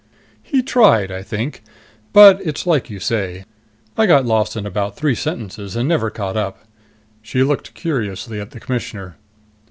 "He tried, I think. But it's like you say. I got lost in about three sentences and never caught up." She looked curiously at the Commissioner.